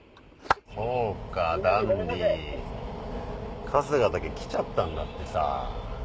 そうかダンディ春日だけ来ちゃったんだってさ。